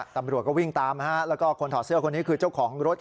ตำรวจก็วิ่งตามแล้วก็คนถอดเสื้อคนนี้คือเจ้าของรถ